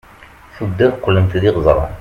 tuddar qlent d iɣeẓran